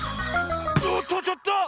おっとちょっと！